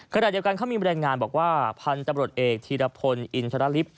ขณะเดียวกันเขามีบรรยายงานบอกว่าพันธุ์ตำรวจเอกธีรพลอินทรลิฟต